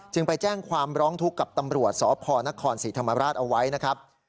ไปแจ้งความร้องทุกข์กับตำรวจสพนครศรีธรรมราชเอาไว้นะครับ